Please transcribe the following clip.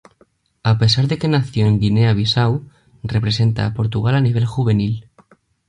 A pesar de que nació en Guinea-Bisáu, representa a Portugal a nivel juvenil.